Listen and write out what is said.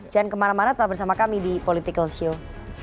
jangan kemana mana tetap bersama kami di politikalshow